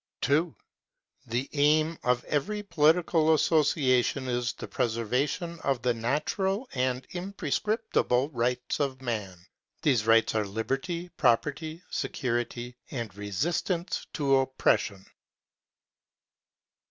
2. The aim of every political association is the preserva tion of the natural and imprescriptible rights of man. These rights are liberty, property, security, and resistance to op pression.